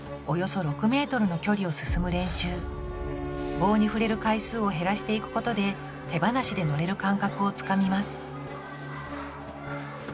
棒に触れる回数を減らしていくことで手放しで乗れる感覚をつかみます